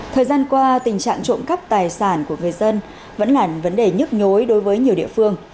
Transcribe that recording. thời gian qua tình trạng trộm cắp tài sản của người dân vẫn là vấn đề nhức nhối đối với nhiều địa phương